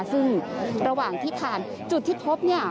ซึ่งระหว่างที่ผ่านจุดที่พบ